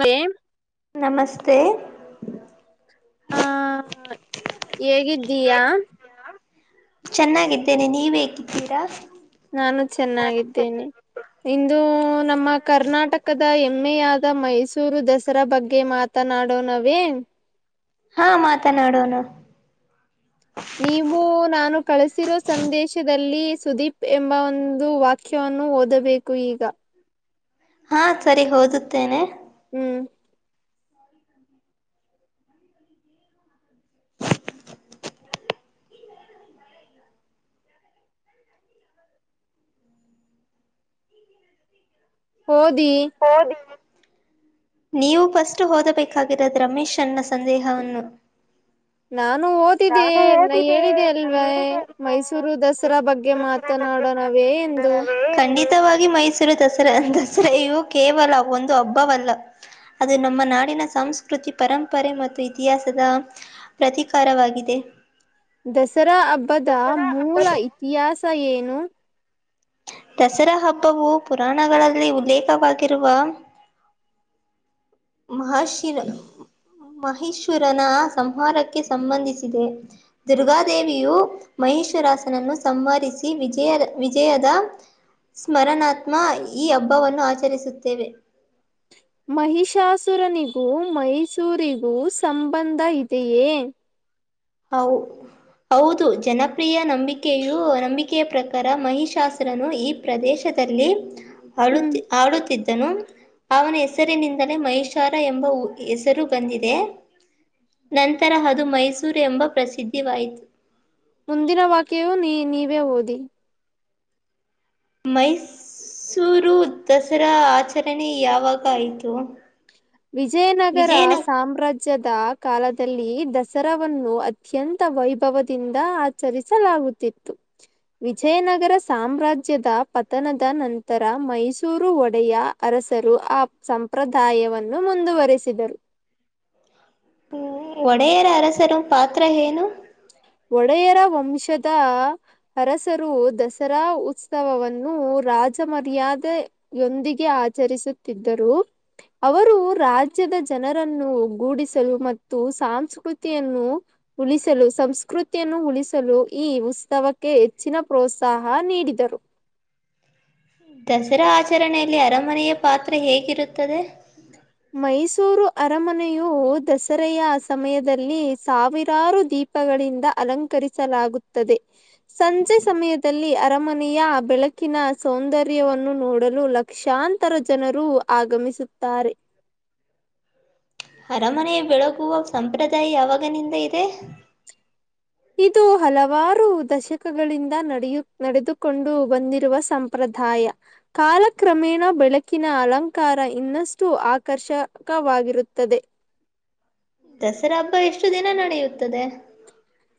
ಪ್ರೇ್ ನಮಸ್ತೆ ಹ ಹೇಗಿದ್ದೀಯಾ ಚೆನ್ನಾಗಿದ್ದೇನೆ ನೀವ ಹೇಗಿದ್ದೀರಾ ನಾನು ಚೆನ್ನಾಗಿದ್ದೇನೆ ಇಂದು ನಮ್ಮ ಕರ್ನಾಟಕದ ಹೆಮ್ಮೆಯಾದ ಮೈಸೂರು ದಸರಾ ಬಗ್ಗೆ ಮಾತ್ರ ಮಾತನಾಡೋ ನಾವೇ ಹಾ ಮಾತನಾಡೋನ ನೀವು ನಾನು ಕಳಸಿರೋ ಸಂದೇಶದಲ್ಲಿ ಸುದೀಪ್ ಎಂಬ ಒಂದು ವಾ ಮುಖ್ಯವನ್ನು ಓದಬೇಕು ಈಗ ಹಾ ಸರಿ ಹಓದುತ್ತೇನೆ ಹ್ಮ್ ಹ [inaudible] [unintelligible] ಓದಿ ಹೌದು ನೀವು ಫಸ್ಟ್ ಹಓದಬೇಕಾಗಿರೋದ ರಮೇಶ್ ಅನ್ನ ಸಂದೇಹವನ್ನು ನಾನು ಹಓದ ಗತ್ತಿದೆ ನಾ ಹೇಳಿದೆ ಅಲ್ವಾ ಮೈಸೂರು ದಸರಾ ಬಗ್ಗೆ ಮಾತನಾಡೋ ನಾವೇ ಎಂದು ಖಂಡಿತವಾಗಿ ಮೈಸೂರು ದಸರಾ ದಸರೆಯೂ ಕೇವಲ ಒಂದು ಹಬ್ಬವಲ್ಲ ಅದು ನಮ್ಮ ನಾಡಿನ ಸಂಸ್ಕೃತಿ ಪರಂಪರೆ ಮತ್ತು ಇತಿಹಾಸದ ಪ್ರತಿಕ ಪರವಾಗಿದೆ ದಸರಾ ಹಬ್ಬದ ಮೂಲ ಇತಿಹಾಸ ಏನು ದಸರಾ ಹಬ್ಬವು ಪುರಾಣಗಳಲ್ಲಿ ಉಲ್ಲೇಖವಾಗಿರುವ ಮಹಷಿರ ಮಹೇಶ್ವರನ ಸಂಹಾರಕ್ಕೆ ಸಂಬಂಧಿಸಿದೆ ದುರ್ಗಾಾದೇವಿಯು ಮಹಿಷರಾಸನನ್ನು ಸಂವರಿಸಿ ವಿಜಯದ ವಿಜಯದ ಸ್ಮರಣಾತ್ಮ ಈ ಹಬ್ಬವನ್ನು ಆಚರಿಸುತ್ತೇವೆ [unintelligible] ಮಹಿಷಾಸುರನಿಗೂ ಮೈಸೂರಿಗೂ ಸಂಬಂಧ ಇದೆಯೇ [unintelligible] ಹವು [unintelligible] ಹೌದು ಜನಪ್ರಿಯ ನಂಬಿಕೆಯು ನಂಬಿಕೆಯ ಪ್ರಕಾರ ಮಹಿಶಾಸ್ತ್ರನು ಈ [unintelligible] ಪ್ರದೇಶದಲ್ಲಿ [unintelligible] [inaudible] ಆಳುತ್ತ ಆಡುತ್ತಿದ್ದನು [unintelligible] ಅವನ ಹೆಸರಿನಿಂದಲೇ ಮಹಷಾರ ಎಂಬ ಹೆಸರು ಬಂದಿದೆ [unintelligible] ನಂತರ ಅದು ಮೈಸೂರು ಎಂಬ ಪ್ರಸಿದ್ಧಿವಾಯಿತು [unintelligible] ಮುಂದಿನ ವಾಕ್ಯೆಯು ನೀ ನೀವೇ ಓದಿ [unintelligible] ಮೈಸೂರು ದಸರಾ ಆಚರಣೆ ಯಾವಾಗ ಆಯಿತು [unintelligible] ವಿಜಯನಗರ ವಿಜಯನ ಸಾಮ್ರಾಜ್ಯ [unintelligible] ರಾಜ್ಯದ ಕಾಲದಲ್ಲಿ ದಸರಾವನ್ನು ಅತ್ಯಂತ ವೈಭವದಿಂದ ಆಚರಿಸಲಾಗುತ್ತಿತ್ತು [unintelligible] ಹ [inaudible] ವಿಜಯನಗರ ಸಾಮ್ರಾಜ್ಯದ ಪತನದ ನಂತರ ಮೈಸೂರು ಒಡೆಯ [unintelligible] ಅರಸರು ಆ ಸಂಪ್ರದಾಯವನ್ನು ಮುಂದುವರೆಸಿದರು [unintelligible] ಹ್ಮ ಒಡೆಯರರ ಪಾತ್ರ ಏನು [unintelligible] ಒಡೆಯರ ವಂಶದ [unintelligible] ಅರಸರು ದಸರಾ ಉತ್ಸವವನ್ನು ರಾಜ ಮರ್ಯಾದೆ ಯೊಂದಿಗೆ ಆಚರಿಸುತ್ತಿದ್ದರು ಅವರು ರಾಜ್ಯದ ಜನರನ್ನು ಒಗ್ಗೂಡಿಸಲು ಮತ್ತು ಸಾಸ್ಕೃತಿಯನ್ನು ಉಳಿಸಲು ಸಂಸ್ೃ ಕೃತಿಯನ್ನು ಉಳಿಸಲು ಈ ಉತ್ಸವಕ್ಕೆ ಹೆಚ್ಚಿನ ಪ್ರೋತ್ಸಾಹ ನೀಡಿದರು ದಸರಾ ಆಚರಣೆಯಲ್ಲಿ ಅರಮನೆಯ ಪಾತ್ರ ಹೇಗಿರುತ್ತದೆ ಮೈಸೂರು ಅರಮನೆಯು ದಸರೆಯ ಸಮಯದಲ್ಲಿ ಸಾವಿರಾರು ದೀಪ ಪಗಳಿಂದ ಅಲಂಕರಿಸಲಾಗುತ್ತದೆ ಸಂಜೆ ಸಮಯದಲ್ಲಿ ಅರಮನೆಯ ಬೆಳಕಿನ ಸೌಂದರ್ಯವನ್ನು ನೋಡಲು ಲಕ್ಷ ಲಕ್ಷಾಂತರ ಜನರು ಆಗಮಿಸುತ್ತಾರೆ ಅರಮನೆ ಬೆಳಗುವ ಸಂಪ್ರದಾಯ ಯಾವಾಗನಿಂದ ಇದೆ ಇದು ಹಲವಾರು ದಶಕಗಳಿಂದ ನಡೆಯು ನಡೆದುಕೊಂಡು ಬಂದಿರುವ ಸಂಪ್ರದಾಯ ಕಾಲಕ್ರಮೇಣ ಬೆಳಕಿನ ಅಲಂಕಾರ ಇನ್ನಷ್ಟು ಆಕರ್ಷಕವಾಗಿರುತ್ತದೆ ದಸರಾ ಹಬ್ಬ ಎಷ್ಟು ದಿನ ನಡೆಯುತ್ತದೆ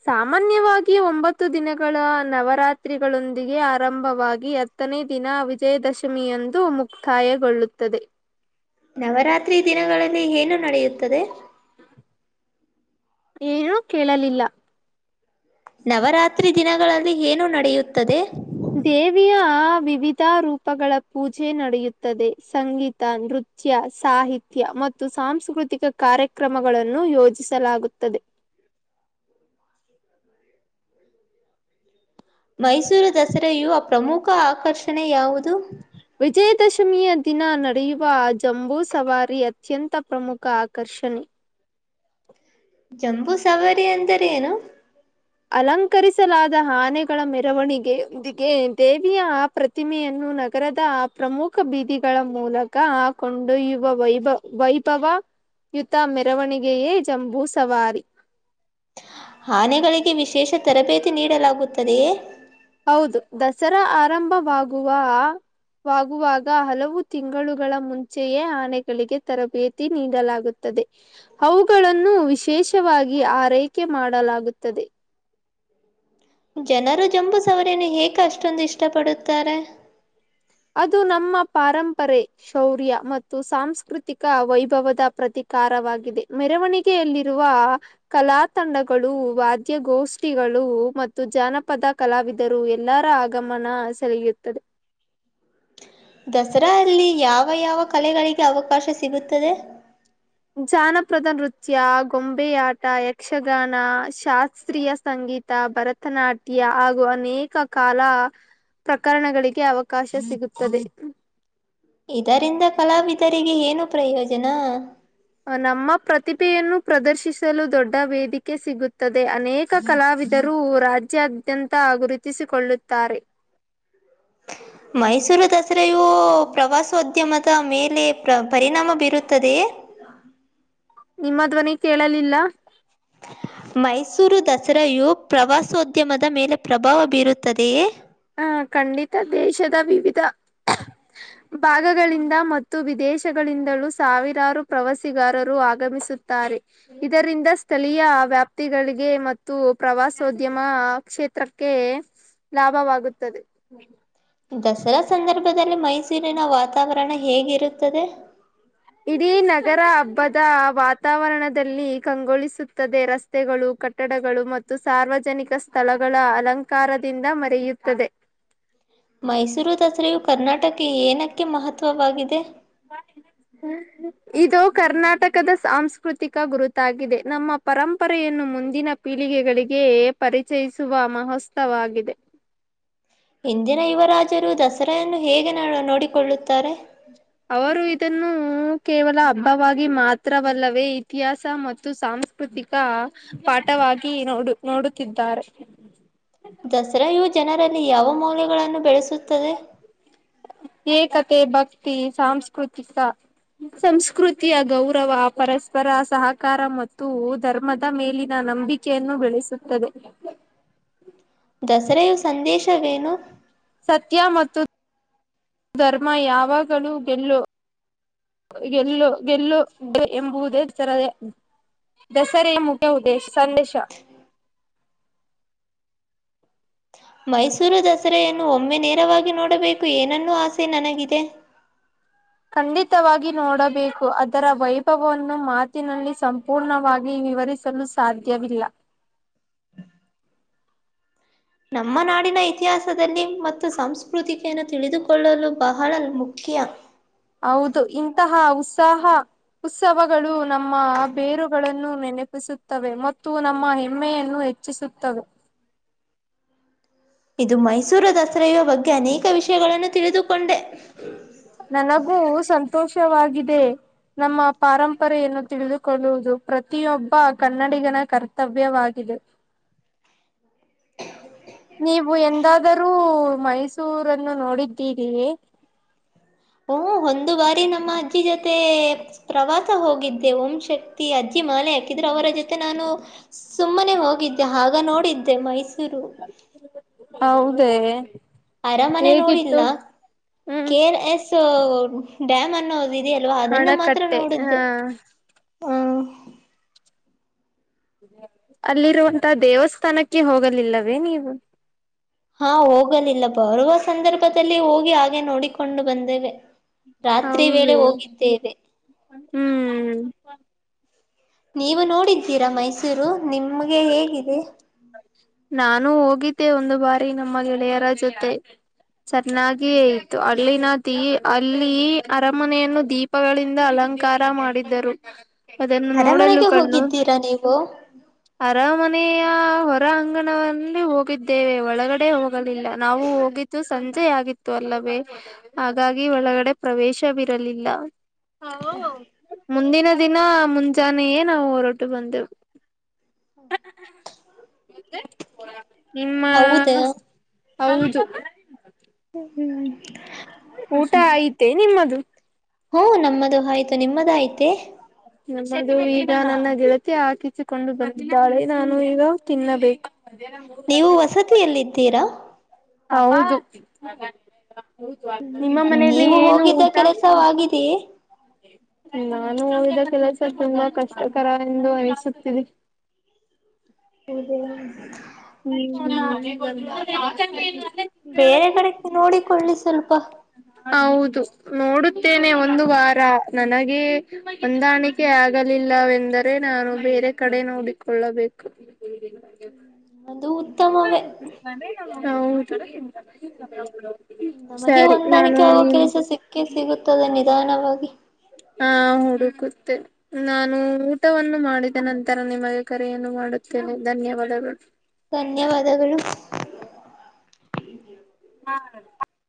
ಸಾಮಾನ್ಯವಾಗಿ ಒಂಬತ್ತು ದಿನಗಳ ನವರಾತ್ರಿಗಳೊಂದಿಗೆ ಆರಂಭವಾಗಿ ಹತ್ತನೇ ದಿನ ವಿಜಯದಶಮಿಯಂದು ಮುಕ್ತಾಯಗೊಳ್ಳುತ್ತದೆ ನವರಾತ್ರಿ ದಿನಗಳಲ್ಲಿ ಏನು ನಡೆಯುತ್ತದೆ ಏನೂ ಕೇಳಲಿಲ್ಲ ನವರಾತ್ರಿ ದಿನಗಳಲ್ಲಿ ಏನು ನಡೆಯುತ್ತದೆ ದೇವಿಯ ಆ ವಿವಿಧ ರೂಪಗಳ ಪೂಜೆ ನಡೆಯುತ್ತದೆ ಸಂಗೀತ ನೃತ್ ತ್ಯ ಸಾಹಿತ್ಯ ಮತ್ತು ಸಾಂಸ್ಕೃತಿಕ ಕಾರ್ಯಕ್ರಮಗಳನ್ನು ಯೋಜಿಸಲಾಗುತ್ತದೆ ಹ್ಮ [inaudible] ಹ ಮೈಸೂರು ದಸರೆಯು ಪ್ರಮುಖ ಆಕರ್ಷಣೆ ಯಾವುದು ವಿಜಯದಶಮಿಯ ದಿನ ನಡೆಯುವ ಜಂಬೂ ಸವಾರಿ ಅತ್ಯಂತ ಪ್ರಮುಖ ಆಕರ್ಷಣೆ ಜಂಬೂ ಸವಾರಿ ಅಂದರೆ ಏನು ಅಲಂಕರಿಸಲಾದ ಆನೆಗಳ ಮೆರವಣಿಗೆ ದೇವಿಯ ಆ ಪ್ರತಿ ಪ್ರತಿಮೆಯನ್ನು ನಗರದ ಪ್ರಮುಖ ಬೀದಿಗಳ ಮೂಲಕ ಕೊಂಡೊಯ್ಯುವ ವೈಭವ ವೈಭವ ಯುತ ಮೆರವಣಿಗೆಯೇ ಜಂಬೂ ಸವಾರಿ ಆನೆಗಳಿಗೆ ವಿಶೇಷ ತರಬೇತಿ ನೀಡಲಾಗುತ್ತದೆಯೇ ಹೌದು ದಸರಾ ಆರಂಭವಾಗುವ ಆ ವಾಗುವಾಗ ಹಲವು ತಿಂಗಳುಗಳ ಮುಂಚೆಯೇ ಆನೆಗಳಿಗೆ ತರಬೇತಿ ನೀಡಲಾಗುತ್ ತ್ತದೆ ಅವುಗಳನ್ನು ವಿಶೇಷವಾಗಿ ಆರೈಕೆ ಮಾಡಲಾಗುತ್ತದೆ ಜನರು ಜಂಬು ಸವರಿಯನ್ನು ಹೇಕ ಅಷ್ಟೊಂದು ಇಷ್ಟ ಪಡುತ್ತಾರೆ ಅದು ನಮ್ಮ ಪಾರಂಪರೆ ಶೌರ್ಯ ಮತ್ತು ಸಾಂಸ್ಕೃತಿಕ ವೈಭವದ ಪ್ರತಿಕಾರವಾಗಿದೆ ಮೆರವಣಿಗ್ ತ್ತಿ ಯಲ್ಲಿರುವ ಕಲಾ ತಂಡಗಳು ವಾದ್ಯಗೋಷ್ಠಿಗಳು ಮತ್ತು ಜಾನಪದ ಕಲಾವಿದರು ಎಲ್ಲರ ಆಗಮನ ಸೆಳೆಯುತ್ತದೆ ದಸರ ಅಲ್ಲಿ ಯಾವ ಯಾವ ಕಲೆಗಳಿಗೆ ಅವಕಾಶ ಸಿಗುತ್ತದೆ ಜಾನಪದ ನೃತ್ಯ ಗೊಂಬೆಯಾಟ ಯಕ್ಷಗಾನ ಶಾಸ್ತ್ರೀಯ ಸಂಗೀತ್ ತ ಭರತನಾಟ್ಯ ಹಾಗೂ ಅನೇಕ ಕಾಲ ಪ್ರಕರಣಗಳಿಗೆ ಅವಕಾಶ ಸಿಗುತ್ತದೆ ಇದರಿಂದ ಕಲಾವಿದರಿಗೆ ಏನು ಪ್ರಯೋಜನ ನಮ್ಮ ಪ್ರತಿಭೆಯನ್ನು ಪ್ರದರ್ಶಿಸಲು ದೊಡ್ಡ ವೇದಿಕೆ ಸಿಗುತ್ತದೆ ಅನೇಕ್ ಕ್ಕ ಕಲಾವಿದರು ರಾಜ್ಯಾದ್ದ್ಯಾಂತ ಗುರುತಿಸಿಕೊಳ್ಳುತ್ತಾರೆ ಮೈಸೂರು ದಸರೆಯು ಪ್ರವಾಸೋದ್ಯಮದ ಮೇಲೆ ಪ್ರ ಪರಿಣಾಮ ಬೀರುತ್ತದೆಯೆ ನಿಮ್ಮ ಧ್ವನಿ ಕೇಳಲಿಲ್ಲ ಮೈಸೂರು ದಸರೆಯು ಪ್ರವಾಸೋದ್ಯಮದ ಮೇಲೆ ಪ್ರಬಾವ ಬೀರುತ್ತದೆಯೇ ಹ ಖಂಡಿತ ದೇಶದ ವಿವಿಧ ಭಾಗಗಳಿಂದ ಮತ್ತು ವಿದೇಶಗಳಿಂದಲು ಸಾವಿರಾರು ಪ್ರವಾಸಿಗಾರರು ಆಗಮಿಸುತ್ತಾರೆ ಇದರಿಂದ ಸ್ಥಳೀಯಾ ವ್ಯಾಪ್ತಿಗಳಿಗೆ ಮತ್ತು ಪ್ರವಾಸೋದ್ಯಮಾ ಕ್ಷೇತ್ರಕ್ಕೇ ಲಾಭವಾಗುತ್ತದೆ ದಸರಾ ಸಂದರ್ಭದಲ್ಲಿ ಮೈಸೂರಿನ ವಾತಾವರಣ ಹೇಗಿರುತ್ತದೆ [unintelligible] ಇಡೀ ನಗರ ಹಬ್ಬದ ವಾತಾವರಣದಲ್ಲಿ ಕಂಗೊಳಿಸುತ್ತದೆ ರಸ್ತೆ [unintelligible] ರಸ್ತೆಗಳು ಕಟ್ಟಡಗಳು ಮತ್ತು ಸಾರ್ವಜನಿಕ ಸ್ಥಳಗಳ ಅಲಂಕಾರದಿಂದ ಮರೆಯುತ್ತದೆ [unintelligible] ಮೈಸೂರು ದಸರೆಯು ಕರ್ನಾಟಕ ಏನಕ್ಕೆ ಮಹತ್ವವಾಗಿದೆ [unintelligible] ಹ್ಮ [unintelligible] ಇದು ಕರ್ನಾಟಕದ ಸಾಂಸ್ಕೃತಿಕ ಗುರುತಾಗಿದೆ ನಮ್ಮ ಪರಂಪರೆಯನ್ನು ಮುಂದಿನ [unintelligible] ಪೀಳಿಗೆಗಳಿಗೆ ಪರಿಚಯಿಸುವ ಮಹೋತ್ಸವಾಗಿದೆ [unintelligible] ಇಿಂದಿನ ಯುವರಾಜರು ದಸರೆಯನ್ನು ಹೇಗೆ ನ ನೋಡಿಕೊಳ್ಳುತ್ತಾರೆ [unintelligible] ಹ [inaudible] ಅವರು ಇದನ್ನು ಕೇವಲ ಹಬ್ಬವಾಗಿ ಮಾತ್ರವಲ್ಲವೇ ಇತಿಹಾಸ ಮತ್ತು ಸಾಮ್ [unintelligible] ಕೃತಿಕ ಪಾಠವಾಗಿ ನೋಡು ನೋಡುತ್ತಿದ್ದಾರೆ [unintelligible] ದಸರೆಯು ಜನರಲ್ಲಿ ಯಾವ ಮೌಲ್ಯಗಳನ್ನು ಬೆಳೆಸುತ್ತದೆ [unintelligible] ಏಕತೆ ಭಕ್ತಿ ಸಾಂಸ್ಕೃತಿಕ [unintelligible] ಸಂಸ್ಕೃತಿಯ ಗೌರವ ಪರಸ್ಪರ ಸಹಕಾರ ಮತ್ತು ಧರ್ಮದ ಮೇಲಿನ ನಂಬಿ [unintelligible] ಚ್ಚಿಯನ್ನು ಬೆಳೆಸುತ್ತದೆ [unintelligible] ದಸರೆಯು ಸಂದೇಶವೇನು [unintelligible] ಸತ್ಯ ಮತ್ತು ಧರ್ಮ ಯಾವಾಗಲೂ ಗೆಲ್ಲು [unintelligible] ಗೆಲ್ಲು ಗೆಲ್ಲು ಎಂಬುವುದೇ ತರದೆೇ [unintelligible] ದಸರೆಯ ಮುಖ್ಯ ಉದ್ದೇಶ ಸಂದೇಶ [unintelligible] ಮೈಸೂರು ದಸರೆಯನ್ನು ಒಮ್ಮೆ ನೇರವಾಗಿ ನೋಡಬೇಕು ಏನನ್ನೂ ಆಸೆ ನನಗಿದೆ [unintelligible] ಖಂಡಿತವಾಗಿ ನೋಡಬೇಕು ಅದರ ವೈಭವವನ್ನು ಮಾತಿನಲ್ಲಿ ಸಂ [unintelligible] ಪೂರ್ಣವಾಗಿ ವಿವರಿಸಲು ಸಾಧ್ಯವಿಲ್ಲ ನಮ್ಮ ನಾಡಿನ ಇತಿಹಾಸದಲ್ಲಿ ಮತ್ತು ಸಂಸ್ಕೃತಿಕಿಯನ್ನು ತಿಳಿದುಕೊಳ್ಳಲು ಬಹಳ ಮುಖ್ಯ ಹೌದು ಇಂತಹ ಉತ್ಸಾಹ ಉತ್ಸವಗಳು ನಮ್ಮ ಬೇರುಗಳನ್ನು ನೆನಪಿಸುತ್ತವೆ ಮತ್ತು ನಮ್ಮ ಹೆಮ್ಮೆಯನ್ನು ಹೆ ಹೆಚ್ಚಿಸುತ್ತವೆ ಇದು ಮೈಸೂರು ದಸರೆಯ ಬಗ್ಗೆ ಅನೇಕ ವಿಷಯಗಳನ್ನು ತಿಳಿದುಕೊಂಡೆ. ನನಗೂ ಸಂತೋಷವಾಗಿದೆ. ನಮ್ಮ ಪಾರಂಪರೆಯನ್ನು ತಿಳಿದುಕೊಳ್ಳುವುದು ಪ್ರತಿಯೊಬ್ಬ ಕನ್ನಡಿಗನ ಕರ್ತವ್ಯವಾಗಿದೆ. ನೀವು ಎಂದಾದರೂ ಮೈಸೂರನ್ನು ನೋಡಿದ್ದೀರಿ. ಹ್ಮ ಒಂದು ಬಾರಿ ನಮ್ಮ ಅಜ್ಜಿ ಜೊತೆ ಪ್ರವಾಸ ಹೋಗಿದ್ದೆ ಓಂ ಶಕ್ತಿ ಅಜ್ಜಿ ಮಾಲೆ ಇದ್ರೆ ಅವರ ಜೊತೆ ನಾನು ಸುಮ್ಮನೆ ಹೋಗಿದ್ದೆ ಆಗ ನೋಡಿದ್ದೆ ಮೈಸೂರು. ಹೌದ ಅರಮನೆ ನೋಡಿಲ್ಲ ಹ್ಮ್ ಕೆರ್ ಎಸ್ ಡ್ಯಾಮ್ ಅನ್ನೋದಿಲ್. ಇದೆಯಲ್ವಾ ಅದನ್ನ ಮಾತ್ರ ಹಣಕಟ್ಟೆ ಹ ನೋಡ್ದು ಅಲ್ಲಿರುವಂತ ದೇವಸ್ಥಾನಕ್ಕೆ ಹೋಗಲಿಲ್ಲವೇ ನೀವು ಹಾ ಹೋಗಲಿಲ್ಲ ಬರುವ ಸಂದರ್ಭದಲ್ಲಿ ಹೋಗಿ ಹಾಗೆ ನೋಡಿಕೊಂಡು ಬಂದೇವೆ ರಾತ್ರಿ ಹೌದ ವೇಳೆ ಹೋಗಿದ್ದೇವೆ ಹ್ಮ್ ನೀವು ನೋಡಿದ್ದೀರಾ ಮೈಸೂರು ನಿಮ್ಗೆ ಹೇಗಿದೆ ನಾನು ಹೋಗಿದ್ದೆ ಒಂದು ಬಾರಿ ನಮ್ಮ ಗೆಳೆಯರ ಜೊತೆ ಸೆನ್ನಾಗಿ ಇಯತು ಅಲ್ಲಿನ ದೀ ಅಲ್ಲಿ ಅರಮನೆಯನ್ನು ದೀಪ -ಗಳಿಂದ ಅಲಂಕಾರ ಮಾಡಿದ್ದರು ಅದನ್ನು ನೋಡಲು ಅರಮನೆಗೆ ಕಣ್ಣು ಹೋಗಿದ್ದೀರಾ ನೀವು ಅರಾಮನೆಯ ಹೊ ಹೊರಾಂಗಣ ಹೋಗಿದ್ದೇವೆ ಒಳಗಡೆ ಹೋಗಲಿಲ್ಲ ನಾವು ಹೋಗಿದ್ದು ಸಂಜೆ ಆಗಿತ್ತು ಅಲ್ಲವೇ ಹಾಗಾಗಿ ಒಳಗಡೆ ಪ್ರವೇಶ ಬಿರಲಿಲ್ಲ ಹ ಮುಂದಿನ ದಿನ ಮುಂಜಾನೆಯೇ ನಾವು ಹೊರಟು ಬಂದೇವು [inaudible] ನಿಮ್ಮ ಹೌದಾ ಹೌದು. [inaudible] ಊಟ ಆಐತೆೇ ನಿಮ್ಮದು. ಹ್ಮ ನಮ್ಮದು ಆಯ್ತು ನಿಮ್ಮದು ಆಯ್ತೆ. ದು ಈಗ ನನ್ನ ಗೆಳತಿ ಹಾಕಿಸಿಕೊಂಡು ಬಂದಿದ್ದಾಳೆ ನಾನು ಈಗ ತಿನ್ನಬೇಕು ನೀವು ವಸತಿಯಲ್ಲಿದ್ದೀರಾ ಹೌದು ನಿಮ್ಮ ಮನೇಲಿ ಏನು ಊಟ ಆಗಿದೆಯ ನಾನು ಹಿದ ಕೆಲಸ ತುಂಬಾ ಕಷ್ಟಕರ ಎಂದು ಅನಿಸುತ್ತೀ [inaudible] [unintelligible] ಬೇರೆ ಕಡೆ ನೋಡಿಕೊಳ್ಳಿ ಸ್ವಲ್ಪ. ಹೌದು ನೋಡುತ್ತೇನೆ ಒಂದು ವಾರ ನನಗೆೇ ಹೊಂದಾಣಿಕೆ ಆಗಲಿಲ್ಲವೆಂದರೆ ನಾನು ಬೇರೆ ಕಡೆ ನೋಡಿಕೊಳ್ಳಬೇಕು [inaudible] ಅದು ಉತ್ತಮ ಹೌದು ನಮಗೆ ಸರಿ ನಾನು ಹೊಂದಾಣಿಕೆ ಆಗೋ ನಿಮ್ ಕೆಲಸ ಸಿಕ್ಕ ಸಿಗುತ್ತದೆ ನಿಧಾನವಾಗಿ. ಹಾ ಹುಡುಕುತ್ತೆ ನಾನು ಊಟವನ್ನು ಮಾಡಿದ ನಂತರ ನಿಮಗೆ ಕರೆಯನ್ನು ಮಾಡುತ್ತೇನೆ ಧನ್ಯವಾದಗಳು ಧನ್ಯವಾದಗಳು ಹಾ ರ